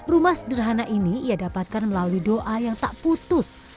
rumah sederhana ini ia dapatkan melalui doa yang tak putus